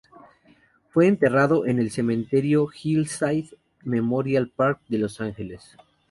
Fue enterrado en el Cementerio Hillside Memorial Park de Los Ángeles.